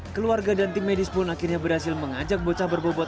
keluarga dan tim medis pun akhirnya berhasil mengajak bocah berbobot